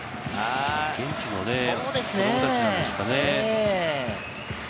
現地の子供たちなんですかね。